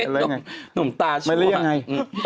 น้ำตาชูแล้วไม่รู้ยังไง